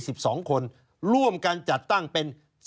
ชีวิตกระมวลวิสิทธิ์สุภาณฑ์